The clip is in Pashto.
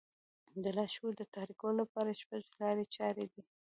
د لاشعور د تحريکولو لپاره شپږ لارې چارې دي.